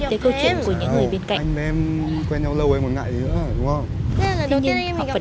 tới câu chuyện của những người bên cạnh